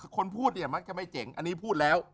คนพูดเนี่ยมักจะไม่เจ๋งอันนี้พูดแล้ว